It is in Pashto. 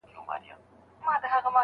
هم پردی له خپله ځانه هم پردی له انجمن یم